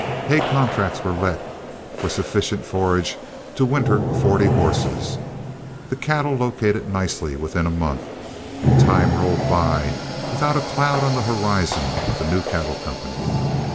Hay contracts were let for sufficient forage to winter forty horses, the cattle located nicely within a month, and time rolled by without a cloud on the horizon of the new cattle company.